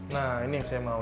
nah ini yang saya mau